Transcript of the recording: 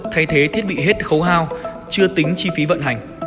thay thế thiết bị hết khấu hao chưa tính chi phí vận hành